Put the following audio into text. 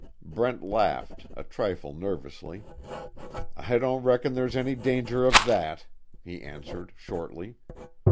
Brent laughed, a trifle nervously: "I don't reckon there's any danger of that," he answered, shortly.